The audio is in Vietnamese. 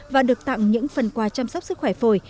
và được tặng những phần quà chăm sóc sức khỏe phổi